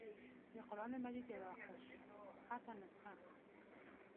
دَقرآن مجيد يوه خوشخطه نسخه